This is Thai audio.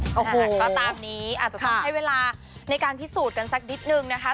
ก็ตามนี้อาจจะต้องให้เวลาในการพิสูจน์กันสักนิดนึงนะคะ